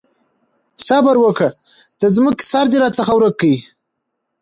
صبره وکړه! د ځمکې سر دې راڅخه ورک کړ.